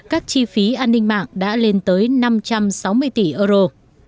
các chi phí an ninh mạng đã lên tới năm trăm sáu mươi tỷ euro